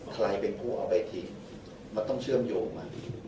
ใครเป็นผู้เอาไปทิ้งมันต้องเชื่อมโยงมา